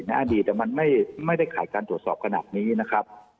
อดีตมันไม่ได้ขาดการตรวจสอบขนาดนี้นะครับ